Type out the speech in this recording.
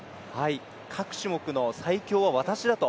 各種目の最強は私だと。